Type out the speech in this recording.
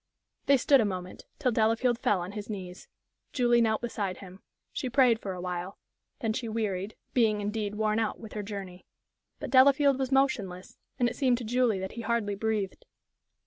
They stood a moment, till Delafield fell on his knees. Julie knelt beside him. She prayed for a while; then she wearied, being, indeed, worn out with her journey. But Delafield was motionless, and it seemed to Julie that he hardly breathed.